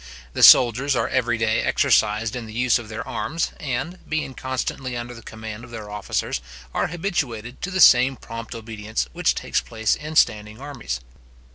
The soldiers are every day exercised in the use of their arms, and, being constantly under the command of their officers, are habituated to the same prompt obedience which takes place in standing armies.